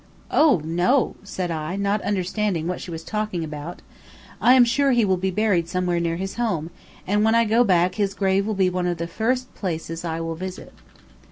"Oh, no," said I, not understanding what she was talking about. "I am sure he will be buried somewhere near his home, and when I go back his grave will be one of the first places I will visit."